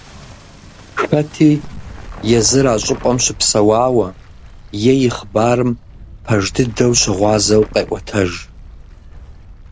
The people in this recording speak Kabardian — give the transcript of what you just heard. Хэти езыр а щӀыпӀэм щыпсэуауэ е и хъыбарым пэж дыдэу щыгъуазэу къеӀуэтэж.